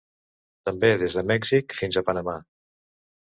També des de Mèxic fins a Panamà.